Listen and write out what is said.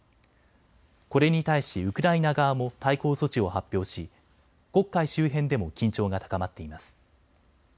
これに対しウクライナ側も対抗措置を発表し黒海周辺でも緊張が高まっています。